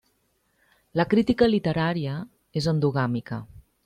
La crítica literària és endogàmica.